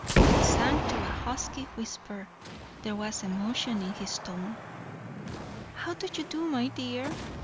It sank to a husky whisper; there was emotion in his tone. "How do you do, my dear?"